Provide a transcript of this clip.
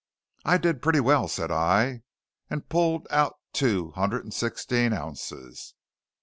"I did pretty well," said I, and pulled out two hundred and sixteen ounces.